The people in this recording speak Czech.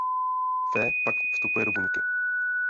Fe pak vstupuje do buňky.